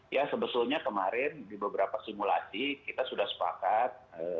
ya sebetulnya kemarin di beberapa simulasi kita sudah sepakat